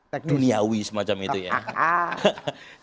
dan saya ingin mencoba untuk mencoba